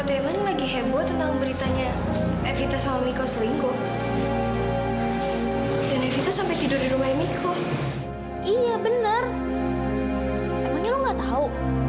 emangnya lo gak tau